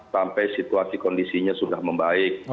sampai situasi kondisinya sudah membaik